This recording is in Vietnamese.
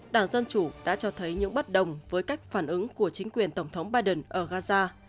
đảng dân chủ đã cho thấy những bất đồng với cách phản ứng của chính quyền tổng thống biden ở gaza